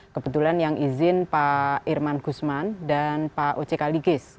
kebetulan yang izin pak irman guzman dan pak o c kaligis